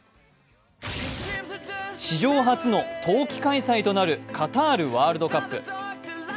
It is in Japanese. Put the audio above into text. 史上初の冬季開催となるカタールワールドカップ。